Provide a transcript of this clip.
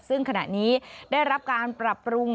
ซึ่งขณะนี้ได้รับการปรับปรุง